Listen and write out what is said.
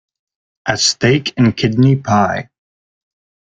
A steak-and-kidney pie.